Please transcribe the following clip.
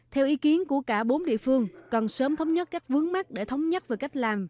theo ý kiến của cả bốn địa phương cần sớm thống nhất các vướng mắt để thống nhất về cách làm